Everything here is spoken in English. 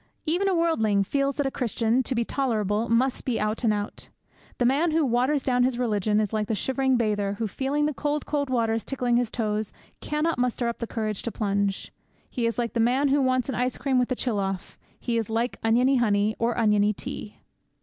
Even a worldling feels that a Christian, to be tolerable, must be out and out. The man who waters down his religion is like the shivering bather who, feeling the cold, cold waters tickling his toes, cannot muster up the courage to plunge; he is like the man who wants an ice cream with the chill off; he is like oniony honey or oniony tea!